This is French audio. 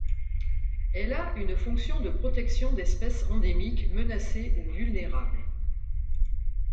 Elle a une fonction de protection d'espèces endémiques menacées ou vulnérables.